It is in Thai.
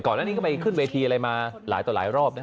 อันนี้ก็ไปขึ้นเวทีอะไรมาหลายต่อหลายรอบนะ